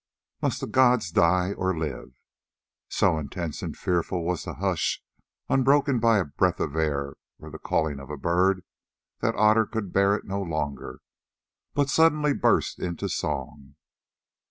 Must the gods die or live? So intense and fearful was the hush, unbroken by a breath of air or the calling of a bird, that Otter could bear it no longer, but suddenly burst into song.